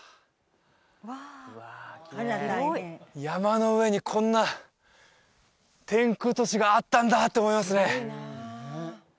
山の上にこんな天空都市があったんだって思いますね